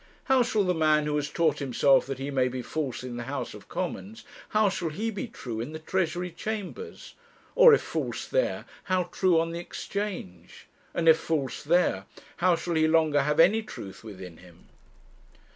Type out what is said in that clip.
How shall the man who has taught himself that he may be false in the House of Commons, how shall he be true in the Treasury chambers? or if false there, how true on the Exchange? and if false there, how shall he longer have any truth within him?